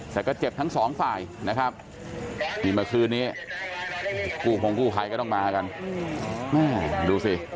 แต่ก็เจ็บทั้ง๒ฝ่ายนะครับ